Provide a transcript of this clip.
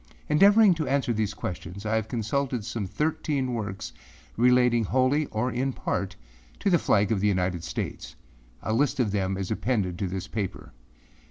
Endeavoring to answer these questions, I have consulted some thirteen works relating wholly or in part to the flag of the United States. A list of them is appended to this paper.